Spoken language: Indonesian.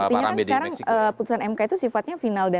ya artinya kan sekarang putusan mk itu sifatnya final dan mati